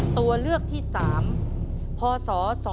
ตัวเลือกที่๓พศ๒๕๖